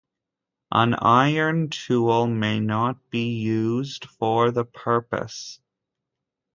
An iron tool may not be used for the purpose.